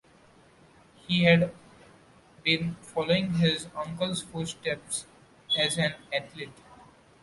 He had been following in his uncle's footsteps as an athlete.